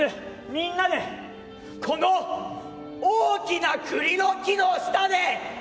みんなでこの大きな栗の木の下で！」。